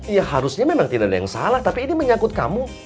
ya harusnya memang tidak ada yang salah tapi ini menyangkut kamu